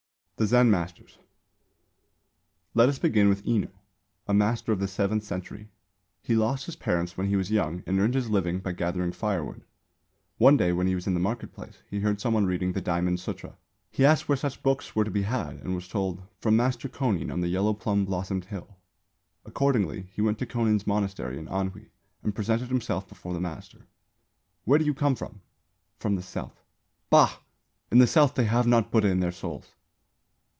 THE ZEN MASTERS. Let us begin with Enō, a master of the seventh century. He lost his parents when he was young and earned his living by gathering firewood. One day when he was in the market place he heard some one reading the Diamond Sūtra. He asked where such books were to be had and was told "From Master Kōnin on the Yellow Plum blossom Hill." Accordingly he went to Kōnin's Monastery in Anhui and presented himself before the Master. "Where do you come from?" "From the South." "Bah! In the South they have not Buddha in their souls."